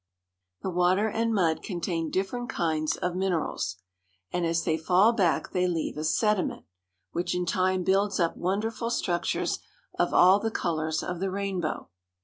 The water and mud contain different kinds of minerals, and as they fall back they leave a sediment, which in time builds up wonderful structures of all the colors of the rainbow.